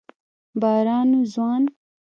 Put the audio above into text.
باران و ځوان